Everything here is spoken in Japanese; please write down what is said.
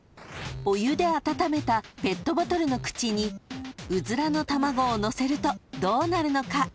［お湯で温めたペットボトルの口にうずらの卵を載せるとどうなるのか］